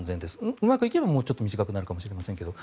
うまくいけばもうちょっと短くなるかもしれませんけど。